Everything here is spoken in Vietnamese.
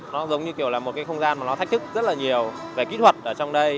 nó giống như kiểu là một cái không gian mà nó thách thức rất là nhiều về kỹ thuật ở trong đây